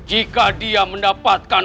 jika dia mendapatkan